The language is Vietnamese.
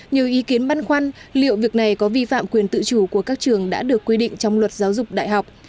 nhiều ý kiến băn khoăn liệu việc này có vi phạm quyền tự chủ của các trường đã được quy định trong luật giáo dục đại học